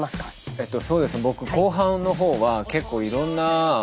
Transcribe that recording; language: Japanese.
えっとそうですね。